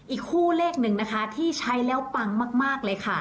อีกคู่เลขหนึ่งนะคะที่ใช้แล้วปังมากเลยค่ะ